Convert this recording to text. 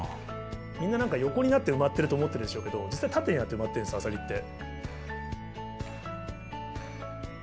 みんな何か横になって埋まってると思ってるでしょうけど実は縦になって埋まってるんですアサリって。